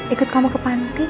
ikut kamu ke pantai